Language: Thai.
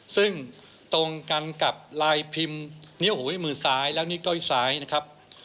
ซึ่งตรงกันกับลายพิมพ์นิ้วหูยมือซ้ายและนิ้วก้อยซ้ายนะครับ